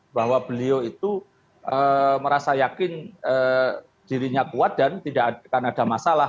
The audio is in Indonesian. bahwa beliau itu merasa yakin dirinya kuat dan tidak akan ada masalah